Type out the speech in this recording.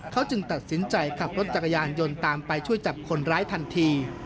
เขาจึงตัดสินใจขับรถจักรยานยนต์ตามไปช่วยจับคนร้ายทันที